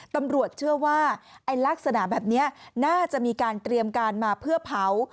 ตำรวจเชื่อว่าลักษณะแบบนี้น่าจะมีการเตรียมการมาเพื่อเผา